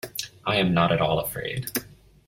I am not at all afraid.